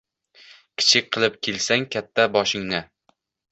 Kichik qilib kelsang katta boshingni